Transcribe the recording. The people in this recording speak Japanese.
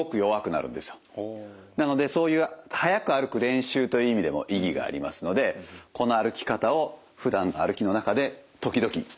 なのでそういう速く歩く練習という意味でも意義がありますのでこの歩き方をふだん歩きの中で時々。